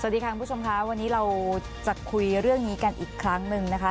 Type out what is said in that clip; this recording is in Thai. สวัสดีค่ะคุณผู้ชมค่ะวันนี้เราจะคุยเรื่องนี้กันอีกครั้งหนึ่งนะคะ